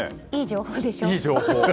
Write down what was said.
いい情報でしょ？